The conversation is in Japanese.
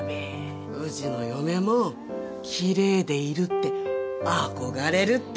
うちの嫁もきれいでいるって憧れるって！